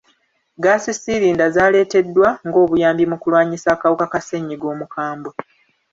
Ggaasi siirinda zaaleeteddwa ng'obuyambi mu kulwanyisa akawuka ka ssenyiga omukambwe.